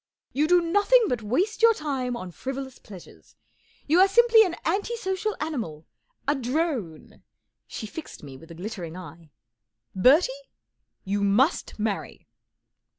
You do nothing but waste your time on frivolous pleasures. You are simply an anti social animal, a drone " She fixed me with a glittering eye. 44 Bertie, you must marry